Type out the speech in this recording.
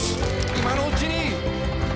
今のうちに」